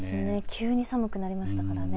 急に寒くなりましたしね。